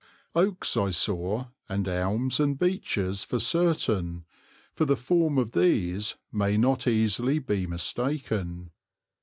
Oaks I saw, and elms and beeches for certain for the form of these may not easily be mistaken.